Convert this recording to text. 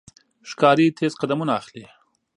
ښکاري تیز قدمونه اخلي.